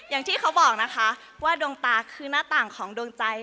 อย่างที่เขาบอกนะคะว่าดวงตาคือหน้าต่างของดวงใจ